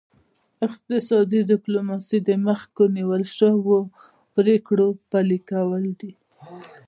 اقتصادي ډیپلوماسي د مخکې نیول شوو پریکړو پلي کول دي